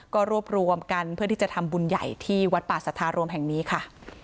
ก็รวบรวมกันเพื่อที่จะทำบุญใหญ่ที่วัดป่าสัทธารวมแห่งนี้ค่ะ